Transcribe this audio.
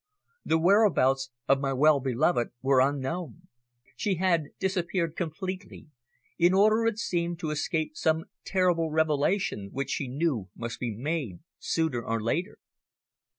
The whereabouts of my well beloved were unknown. She had disappeared completely, in order, it seemed, to escape some terrible revelation which she knew must be made sooner or later.